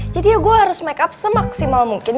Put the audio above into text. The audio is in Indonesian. jadi ya gue harus makeup semaksimal mungkin